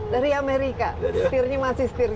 dari amerika setirnya masih setir